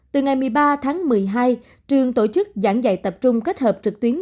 từ ngày một mươi ba tháng một mươi hai trường tổ chức giảng dạy tập trung kết hợp trực tuyến